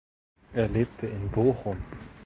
Er lebte in Bochum.